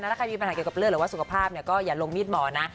ถ้าใครมีปัญหาเกี่ยวกับเลือดหรือว่าสุขภาพก็อย่าลงมีดหมอนะ